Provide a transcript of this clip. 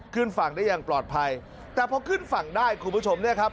ขึ้นฝั่งได้อย่างปลอดภัยแต่พอขึ้นฝั่งได้คุณผู้ชมเนี่ยครับ